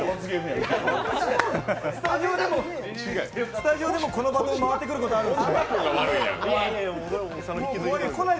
スタジオでもこのバトン回ってくることあるんですね。